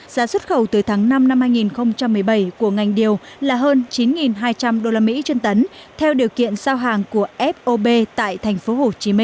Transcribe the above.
giá xuất khẩu từ tháng năm năm hai nghìn một mươi bảy của ngành điều là hơn chín hai trăm linh usd trên tấn theo điều kiện giao hàng của fob tại tp hcm